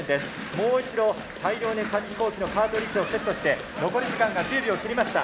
もう一度大量に紙飛行機のカートリッジをセットして残り時間が１０秒を切りました。